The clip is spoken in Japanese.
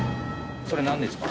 それなんですか？